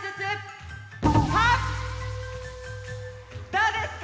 どうですか？